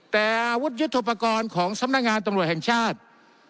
แต่อาวุธยุทธโปรกรณ์ของสำนักงานตำรวจแห่งชาติ